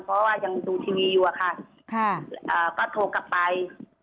เพราะว่ายังดูทีวีอยู่อะค่ะก็โทรกลับไป